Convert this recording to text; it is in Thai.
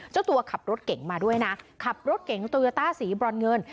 เจ้าตัวขับรถเก่งมาด้วยนะขับรถเก๋งโตโยต้าสีบรอนเงิน